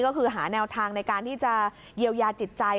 ก็คือหาแนวทางในการที่จะเยียวยาจิตใจ